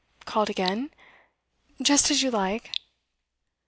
'Called again? Just as you like.